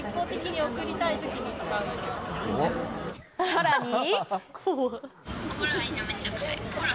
さらに。